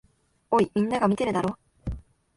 おい、みんなが見てるだろ。